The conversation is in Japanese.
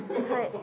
はい。